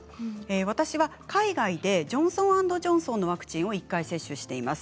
私は海外でジョンソンアンドジョンソンのワクチンを１回接種しています。